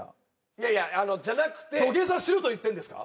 いやいやじゃなくて土下座しろと言ってるんですか？